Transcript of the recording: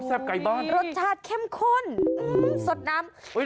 รสชาติเข้มข้นสดน้ำ